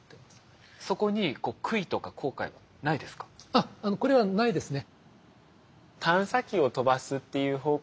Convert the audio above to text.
あっこれはないですね。